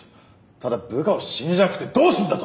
ただ部下を信じなくてどうすんだと。